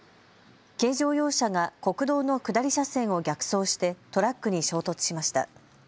軽乗用車が国道の下り車線を逆走してトラックに衝突しました。